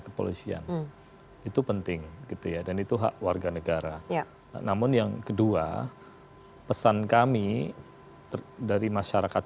kepolisian itu penting gitu ya dan itu hak warga negara namun yang kedua pesan kami dari masyarakat